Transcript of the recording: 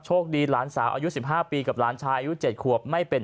คดีหลานสาวอายุ๑๕ปีกับหลานชายอายุ๗ขวบไม่เป็น